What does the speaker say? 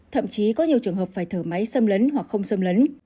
thậm chí có nhiều trường hợp phải thở máy xâm lấn hoặc không xâm lấn